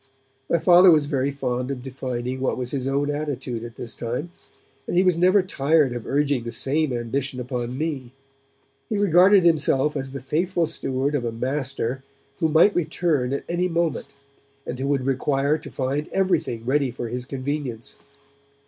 My Father was very fond of defining what was his own attitude at this time, and he was never tired of urging the same ambition upon me. He regarded himself as the faithful steward of a Master who might return at any moment, and who would require to find everything ready for his convenience.